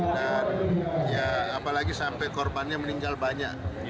dan ya apalagi sampai korbannya meninggal banyak